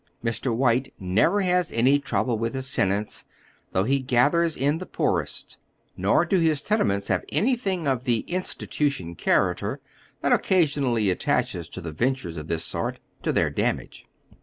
Mr. White never has any trouble with his tenants, though he gathers in the poorest ; nor do his tenements have any thing of the "institution character" that occasionally, at taches to ventures of this sort, to their damage.